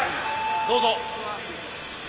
どうぞ。